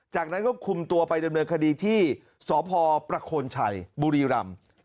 จากนั้นก็คุมตัวไปดำเนินคดีที่สพประโคนชัยบุรีรำ